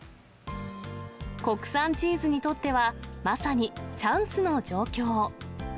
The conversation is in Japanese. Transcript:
国産チーズにとっては、まさにチャンスの状況。